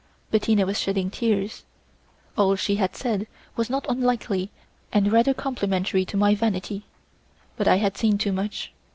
Bettina was shedding tears: all she had said was not unlikely and rather complimentary to my vanity, but I had seen too much.